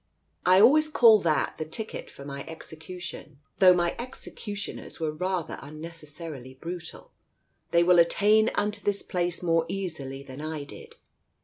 "I always call that the ticket for my execution. Though my executioners were rather unnecessarily brutal. They will attain unto this place more easily than I did.